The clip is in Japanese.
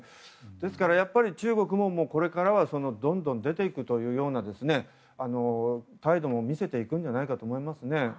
ですから、中国もこれからはどんどん出ていくというような態度も見せていくんじゃないかと思いますね。